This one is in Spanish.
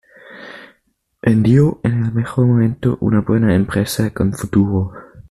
Vendió en el mejor momento una buena empresa con futuro.